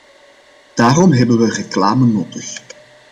Daarom hebben we reclame nodig.